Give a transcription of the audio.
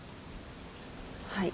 はい。